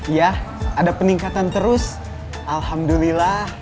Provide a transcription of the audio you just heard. ya ada peningkatan terus alhamdulillah